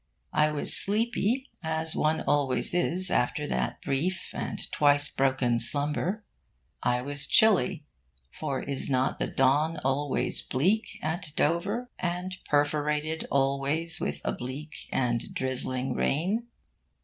I was sleepy, as one always is after that brief and twice broken slumber. I was chilly, for is not the dawn always bleak at Dover, and perforated always with a bleak and drizzling rain?